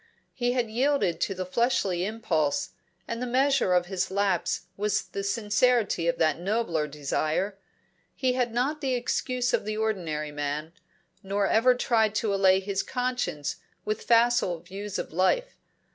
He had yielded to the fleshly impulse, and the measure of his lapse was the sincerity of that nobler desire; he had not the excuse of the ordinary man, nor ever tried to allay his conscience with facile views of life.